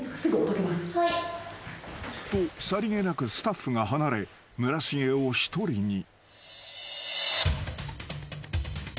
［とさりげなくスタッフが離れ村重を一人に］